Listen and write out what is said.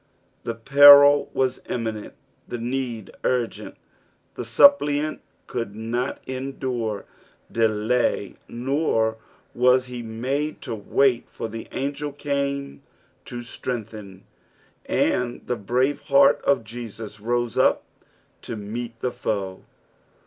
The peril was imminent, the need urgent, the suppliant could not en dure delay, nor was he made to wait, for tlie angtl came to strengthen, and tlie brnve heart of Jesus rose up to meet the foe.